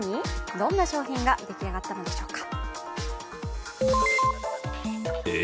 どんな商品が出来上がったのでしょうか？